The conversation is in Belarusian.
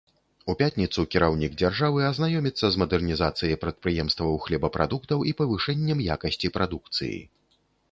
У пятніцу кіраўнік дзяржавы азнаёміцца з мадэрнізацыяй прадпрыемстваў хлебапрадуктаў і павышэннем якасці прадукцыі.